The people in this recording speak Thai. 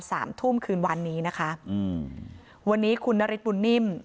สามทุ่มคืนวันนี้นะคะอืมวันนี้คุณนฤทธบุญนิ่ม